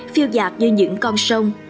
phiêu giặc như những con sông